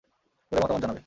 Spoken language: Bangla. পড়ে মতামত জানাবে।